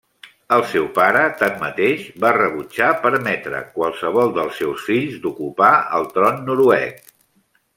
El seu pare, tanmateix, va rebutjar permetre qualsevol dels seus fills d'ocupar el tron noruec.